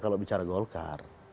kalau bicara golkar